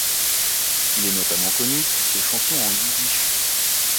Il est notamment connu pour ses chansons en yiddish.